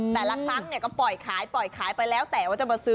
แต่ละครั้งเนี่ยก็ปล่อยขายปล่อยขายไปแล้วแต่ว่าจะมาซื้อ